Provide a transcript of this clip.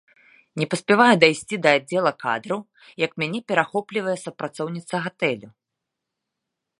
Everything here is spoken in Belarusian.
Не паспяваю дайсці да аддзела кадраў, як мяне перахоплівае супрацоўніца гатэлю.